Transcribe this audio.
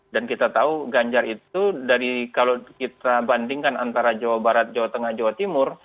dan kita tahu ganjar itu dari kalau kita bandingkan antara jawa barat jawa tengah jawa timur